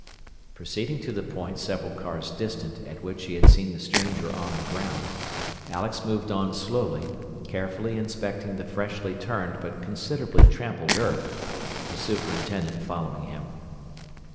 Proceeding to the point several cars distant at which he had seen the stranger on the ground, Alex moved on slowly, carefully inspecting the freshly turned but considerably trampled earth, the superintendent following him.